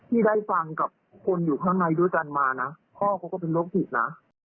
ที่ได้ฟังกับคนอยู่ข้างในด้วยกันมานะพ่อเขาก็เป็นโรคจิตนะ